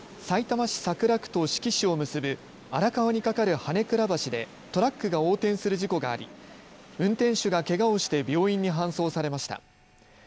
さいたま市桜区と志木市を結ぶ荒川に架かる羽根倉橋でトラックが横転する事故があり運転手がけがをして病院に搬送されました。